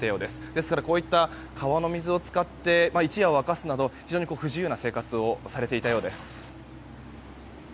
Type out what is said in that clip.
ですから、こういった川の水を使って一夜を明かすなど非常に不自由な生活をされていたようです。